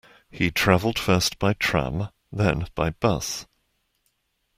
He travelled first by tram, then by bus